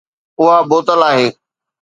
اها بوتل آهي